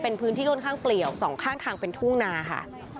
เป็นพื้นที่ค่อนข้างเปลี่ยวสองข้างทางเป็นทุ่งนาค่ะ